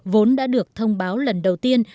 vốn đã được thông báo lần đầu tiên